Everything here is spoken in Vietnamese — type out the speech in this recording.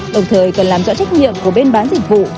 đồng thời cần làm rõ trách nhiệm của bên bán dịch vụ